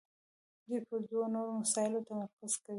دوی پر دوو نورو مسایلو تمرکز کوي.